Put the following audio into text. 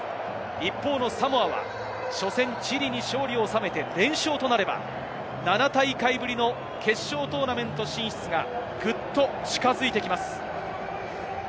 一方のサモアは、初戦、チリに勝利を収めて連勝となれば、７大会ぶりの決勝トーナメント進出がぐっと近づいてきます。